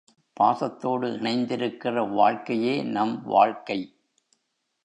பாசத்தோடு இணைந்திருக்கிற வாழ்க்கையே நம் வாழ்க்கை.